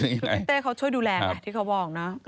พี่เต้เขาช่วยดูแลนะที่เขาบอกนะ